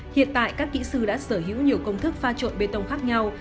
hiện tại các kỹ sư đã sở hữu nhiều công thức pha trộn bê tông khác nhau